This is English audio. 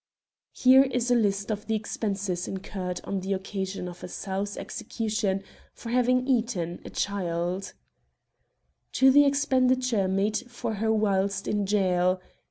Here is a list of the expenses incurred on the occasion of a sow's execution for having eaten a child :— To the expenditure made for her whilst in jail